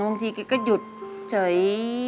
บางทีแกก็หยุดเฉย